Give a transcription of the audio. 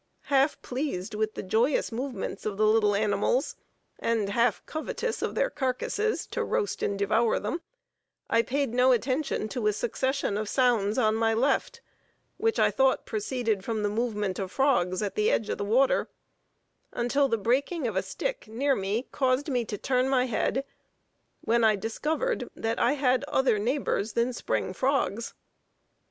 Half pleased with the joyous movements of the little animals, and half covetous of their carcasses, to roast and devour them, I paid no attention to a succession of sounds on my left, which I thought proceeded from the movement of frogs at the edge of the water, until the breaking of a stick near me caused me to turn my head, when I discovered that I had other neighbors than spring frogs.